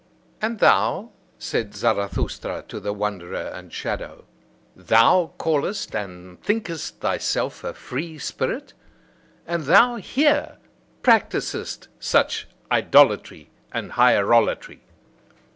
"And thou," said Zarathustra to the wanderer and shadow, "thou callest and thinkest thyself a free spirit? And thou here practisest such idolatry and hierolatry?